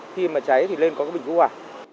khi mà cháy thì lên có cái bình cứu hỏa